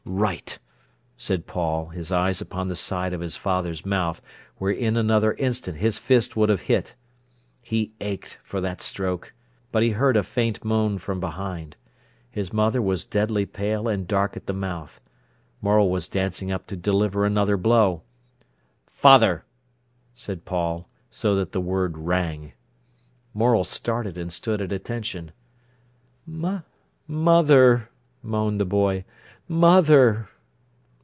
"Right!" said Paul, his eyes upon the side of his father's mouth, where in another instant his fist would have hit. He ached for that stroke. But he heard a faint moan from behind. His mother was deadly pale and dark at the mouth. Morel was dancing up to deliver another blow. "Father!" said Paul, so that the word rang. Morel started, and stood at attention. "Mother!" moaned the boy. "Mother!"